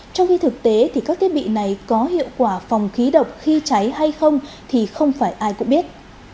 trong khi thực tế thì các thiết bị này có hiệu quả phòng khí độc khi cháy hay không thì không phải ai cũng biết